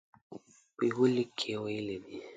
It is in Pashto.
په یوه لیک کې ویلي دي.